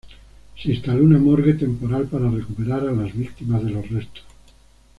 Se instaló una morgue temporal para recuperar a las víctimas de los restos.